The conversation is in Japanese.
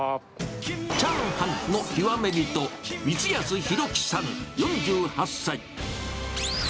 チャーハンの極め人、光安弘毅さん４８歳。